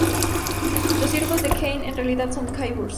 Los Siervos de Kane en realidad son Cyborgs.